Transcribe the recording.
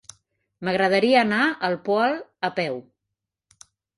M'agradaria anar al Poal a peu.